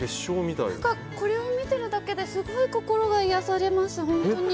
これを見てるだけですごい心が癒やされます、本当に。